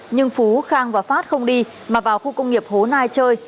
nhưng phú khang và phát không đi mà vào khu công nghiệp hố nai chơi